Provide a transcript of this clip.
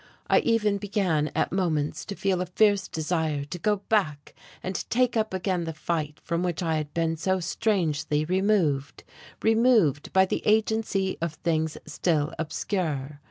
I even began at moments to feel a fierce desire to go back and take up again the fight from which I had been so strangely removed removed by the agency of things still obscure.